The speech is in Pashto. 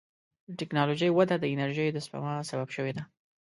د ټکنالوجۍ وده د انرژۍ د سپما سبب شوې ده.